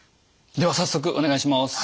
では早速お願いします。